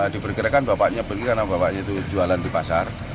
diperkirakan bapaknya beli karena bapaknya itu jualan di pasar